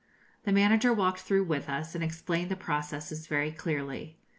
The manager walked through with us, and explained the processes very clearly.